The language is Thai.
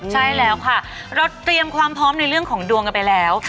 ใช่แล้วค่ะเราเตรียมความพร้อมในเรื่องของดวงกันไปแล้ว